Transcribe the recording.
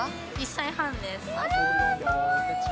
１歳半です。